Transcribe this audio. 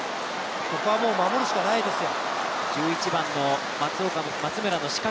ここはもう守るしかないですよ。